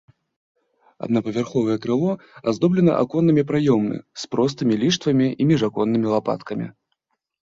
Аднапавярховае крыло аздоблена аконнымі праёмамі з простымі ліштвамі і міжаконнымі лапаткамі.